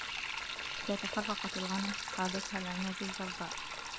إذا تفرقت الغنم قادتها العنز الجرباء